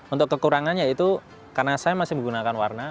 untuk kekurangannya itu karena saya masih menggunakan warna